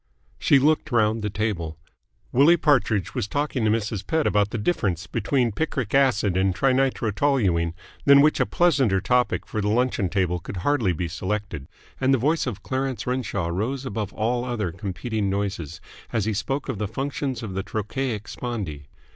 She looked round the table. Willie Partridge was talking to Mrs. Pett about the difference between picric acid and trinitrotoluene, than which a pleasanter topic for the luncheon table could hardly be selected, and the voice of Clarence Renshaw rose above all other competing noises, as he spoke of the functions of the trochaic spondee.